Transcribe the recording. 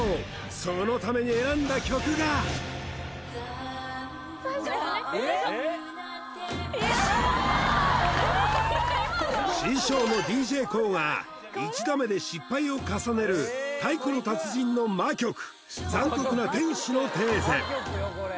そのために選んだ曲が師匠のＤＪＫＯＯが１打目で失敗を重ねる太鼓の達人の魔曲「残酷な天使のテーゼ」